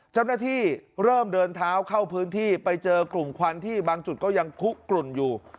เจ้าหน้าที่เริ่มเดินเท้าเข้าพื้นที่ไปเจอกลุ่มควันที่บางจุดก็ยังคุกกลุ่นอยู่